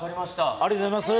ありがとうございます。